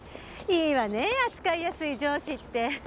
いいわね扱いやすい上司って。